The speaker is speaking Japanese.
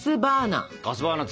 ガスバーナー！